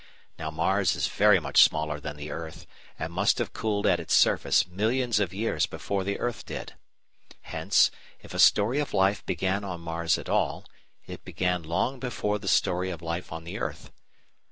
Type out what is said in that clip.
Now Mars is very much smaller than the earth, and must have cooled at its surface millions of years before the earth did. Hence, if a story of life began on Mars at all, it began long before the story of life on the earth.